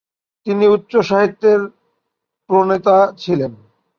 তিনি উচ্চ সাহিত্যের প্রণেতা ছিলেন।